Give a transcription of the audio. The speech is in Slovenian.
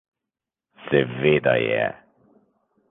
Seveda je.